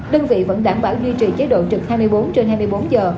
đơn vị vẫn đảm bảo duy trì chế độ trực hai mươi bốn trên hai mươi bốn giờ